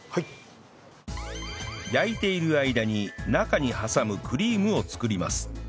焼いている間に中に挟むクリームを作ります